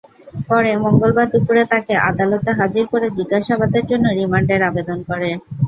পরে মঙ্গলবার দুপুরে তাঁকে আদালতে হাজির করে জিজ্ঞাসাবাদের জন্য রিমান্ডের আবেদন করে।